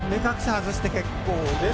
目隠し外して結構です。